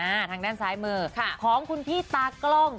ทางด้านซ้ายมือค่ะของคุณพี่ตากล้อง